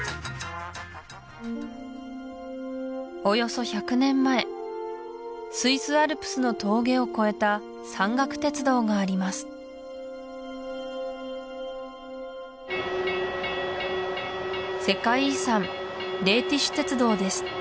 およそ１００年前スイスアルプスの峠を越えた山岳鉄道があります